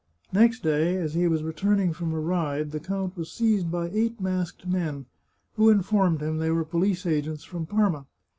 Next day, as he was returning from a ride, the count was seized by eight masked men, who informed him they were police agents from Parma.